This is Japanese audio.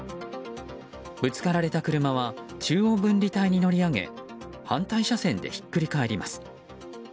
ぶつかられた車は中央分離帯に乗り上げ反対車線でひっくり返ります。